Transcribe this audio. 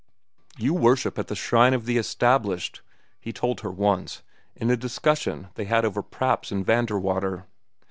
"You worship at the shrine of the established," he told her once, in a discussion they had over Praps and Vanderwater.